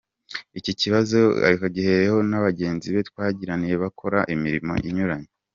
Iki kibazo agihuriyeho na bagenzi be twaganiriye bakora imirimo inyuranye.